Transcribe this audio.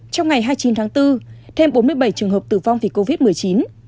trong ngày hai mươi chín tháng bốn thêm bốn mươi bảy trường hợp tử vong vì covid một mươi chín